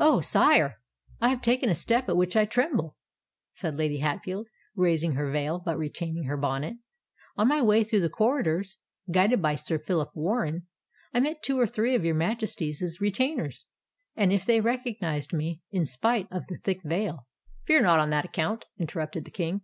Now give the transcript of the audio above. "Oh! sire, I have taken a step at which I tremble," said Lady Hatfield, raising her veil, but retaining her bonnet. "On my way through the corridors, guided by Sir Phillip Warren, I met two or three of your Majesty's retainers; and if they recognised me—in spite of the thick veil——" "Fear not on that account," interrupted the King.